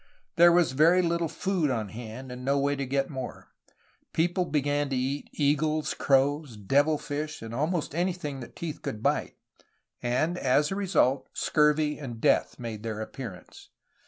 There was very little food on hand, and no way to get more. People began to eat eagles, crows, devil fish, and almost anything that teeth could bite, and, as a result, scurvy and death made their appearance.